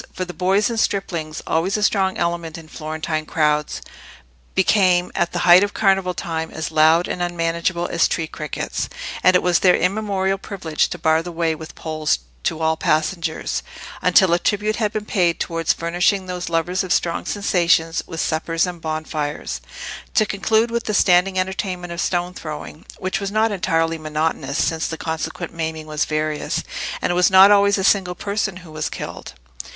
For the boys and striplings, always a strong element in Florentine crowds, became at the height of Carnival time as loud and unmanageable as tree crickets, and it was their immemorial privilege to bar the way with poles to all passengers, until a tribute had been paid towards furnishing those lovers of strong sensations with suppers and bonfires: to conclude with the standing entertainment of stone throwing, which was not entirely monotonous, since the consequent maiming was various, and it was not always a single person who was killed.